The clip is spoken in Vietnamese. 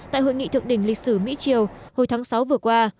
tại hội nghị thượng đỉnh lịch sử mỹ triều hồi tháng sáu vừa qua